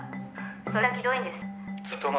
それだけひどいんです」